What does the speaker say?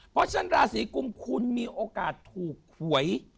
เพราะฉะนั้นราศีกุมคุณมีโอกาสถูกหวย